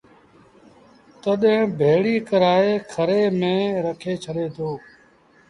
تڏهيݩ ڀيڙي ڪرآئي کري ميݩ رکي ڇڏي دو